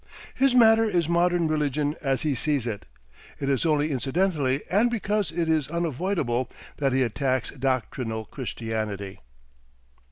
His matter is modern religion as he sees it. It is only incidentally and because it is unavoidable that he attacks doctrinal Christianity.